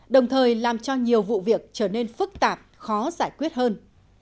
đồng thời làm cho nhiều vụ việc trở nên phức tạp khó giải quyết hơn